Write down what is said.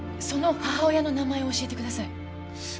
その母親の名前を教えてください。